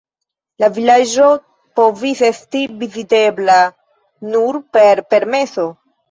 La vilaĝo povis esti vizitebla nur per permeso.